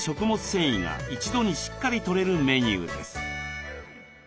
繊維が一度にしっかりとれるメニューです。